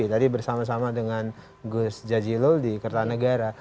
tadi bersama sama dengan gus jajilul di kertanegara